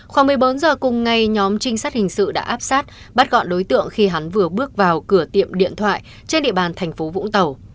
khoảng một mươi bốn h cùng ngày nhóm trinh sát hình sự đã áp sát bắt gọn đối tượng khi hắn vừa bước vào cửa tiệm điện thoại trên địa bàn thành phố vũng tàu